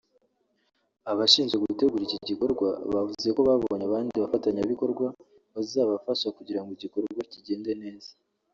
Abashinzwe gutegura iki gikorwa bavuze ko babonye abandi bafatanyabikorwa bazabafasha kugira ngo igikorwa kigende neza